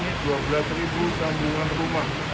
kita sudah melayani dua belas sambungan rumah